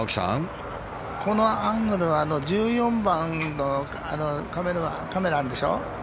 このアングルは１４番のカメラがあるでしょ。